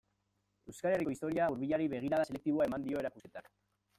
Euskal Herriko historia hurbilari begirada selektiboa eman dio erakusketak.